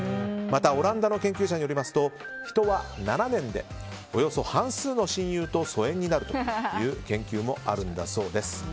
オランダの研究者によりますと人は７年でおよそ半数の親友と疎遠になるという研究もあるんだそうです。